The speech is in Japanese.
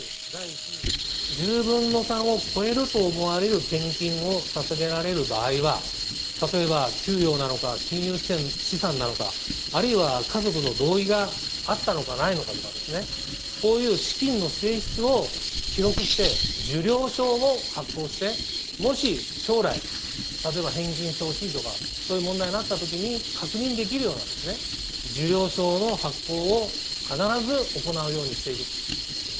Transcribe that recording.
１０分の３を超えると思われる献金をささげられる場合は、例えば給与なのか金融資産なのか、あるいは家族の同意があったのかないのかとか、こういう資金の性質を記録して、受領証を発行して、もし将来、例えば返金してほしいとか、そういう問題になったときに、確認できるような、受領証の発行を必ず行うようにしていくと。